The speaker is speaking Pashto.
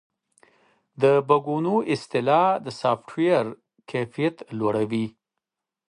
د بګونو اصلاح د سافټویر کیفیت لوړوي.